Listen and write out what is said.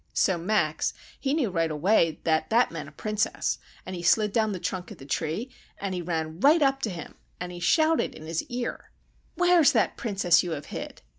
So Max, he knew right away that that meant a Princess; and he slid down the trunk of the tree, an' he ran right up to him, an' he shouted in his ear,— "'Where's that Princess you have hid?